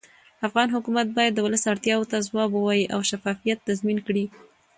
افغان حکومت باید د ولس اړتیاوو ته ځواب ووایي او شفافیت تضمین کړي